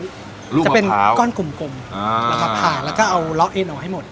ลูกมะพร้าวจะเป็นก้อนกุ่มกุ่มอ่าแล้วก็ผ่านแล้วก็เอาร็อกเอ็นออกให้หมด